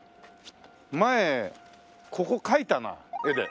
前ここ描いたな絵で。